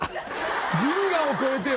銀河を越えてよ。